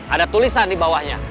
ada tulisan di bawahnya